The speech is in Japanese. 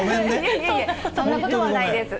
いえいえ、そんなことはないです。